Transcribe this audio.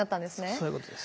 そういうことです。